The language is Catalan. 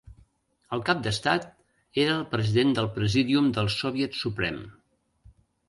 El cap d'Estat era el President del Presídium del Soviet Suprem.